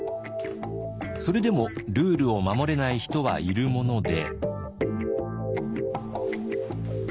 それでもルールを守れない人はいるもので。